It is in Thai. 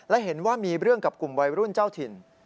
และเห็นว่ามีเรื่องกับกลุ่มวัยรุ่นเจ้าถิ่น